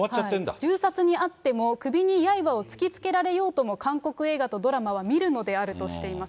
銃殺に遭っても、首にやいばを突きつけられようとも、韓国映画とドラマは見るのであるとしています。